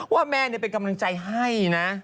ว่าแม่น่ะเป็นกำลังใจให้